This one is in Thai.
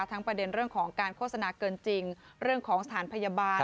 ประเด็นเรื่องของการโฆษณาเกินจริงเรื่องของสถานพยาบาล